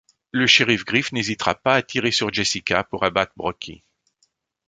Le shérif Griff n’hésitera pas à tirer sur Jessica pour abattre Brockie.